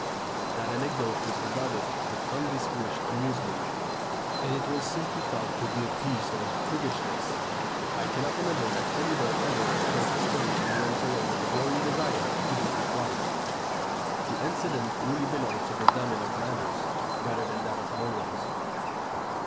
That anecdote was regarded with undisguised amusement, and it was simply thought to be a piece of priggishness. I cannot imagine that any boy ever heard the story and went away with a glowing desire to do likewise. The incident really belongs to the domain of manners rather than to that of morals.